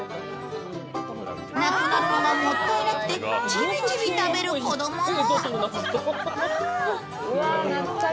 なくなるのがもったいなくて、ちびちび食べる子供も。